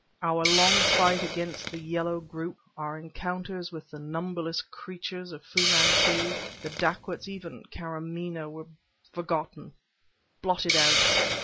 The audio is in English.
Our long fight against the yellow group, our encounters with the numberless creatures of Fu Manchu, the dacoits even Karamaneh were forgotten, blotted out.